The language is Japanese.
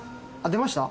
出ました。